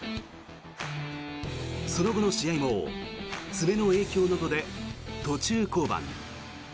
その後の試合も爪の影響などで途中降板。